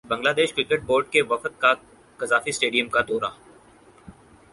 Bangladesh cricket board کے وفد کا قذافی اسٹیڈیم کا دورہ